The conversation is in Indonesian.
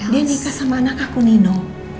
dia jika sama anak aku nino